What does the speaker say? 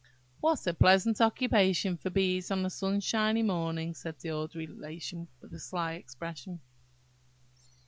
"What a pleasant occupation for bees on a sunshiny morning!" said the old Relation, with a sly expression.